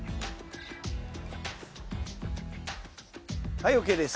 はいＯＫです。